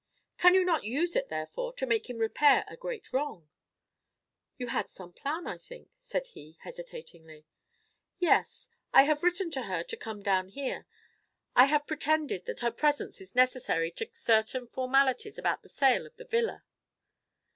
"Can you not use it, therefore, to make him repair a great wrong?" "You had some plan, I think?" said he, hesitatingly. "Yes; I have written to her to come down here. I have pretended that her presence is necessary to certain formalities about the sale of the villa.